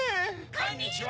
・・こんにちは！